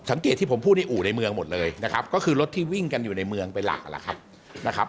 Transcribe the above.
สังเกตที่ผมพูดนี่อู่ในเมืองหมดเลยนะครับก็คือรถที่วิ่งกันอยู่ในเมืองเป็นหลากละครับ